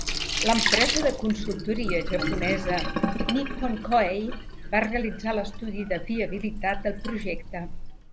L'empresa de consultoria japonesa Nippon Koei va realitzar l'estudi de viabilitat del projecte.